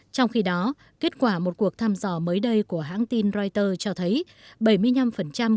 trong khi đó kết quả một cuộc thăm dò mới đây của hãng tin reuters cho thấy bảy mươi năm bốn người lao động ở nhật bản là người tuổi